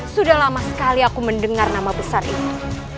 sudah lama sekali aku mendengar nama besar ini